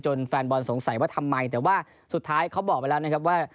แฟนบอลสงสัยว่าทำไมแต่ว่าสุดท้ายเขาบอกไปแล้วนะครับว่า